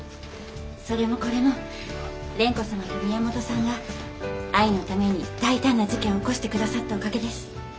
それもこれも蓮子様と宮本さんが愛のために大胆な事件を起こして下さったおかげです。